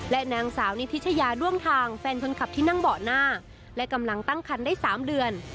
นางสาวนิพิชยาด้วงทางแฟนคนขับที่นั่งเบาะหน้าและกำลังตั้งคันได้๓เดือน